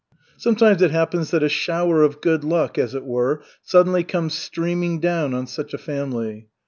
Sometimes it happens that a shower of good luck, as it were, suddenly comes streaming down on such a family.